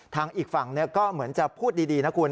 อีกฝั่งก็เหมือนจะพูดดีนะคุณ